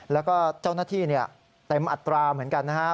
แล้วก็เจ้าหน้าที่เต็มอัตราเหมือนกันนะฮะ